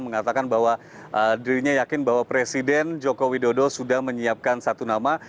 mengatakan bahwa dirinya yakin bahwa presiden joko widodo sudah menyiapkan satu nama